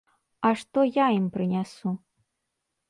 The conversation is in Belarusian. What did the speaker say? А што я ім прынясу?